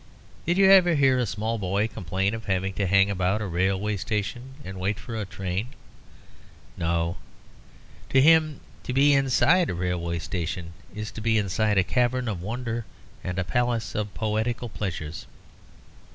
Did you ever hear a small boy complain of having to hang about a railway station and wait for a train? No; for to him to be inside a railway station is to be inside a cavern of wonder and a palace of poetical pleasures.